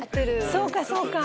そうかそうか！